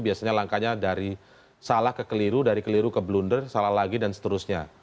biasanya langkahnya dari salah ke keliru dari keliru ke blunder salah lagi dan seterusnya